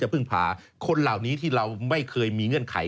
พึ่งพาคนเหล่านี้ที่เราไม่เคยมีเงื่อนไข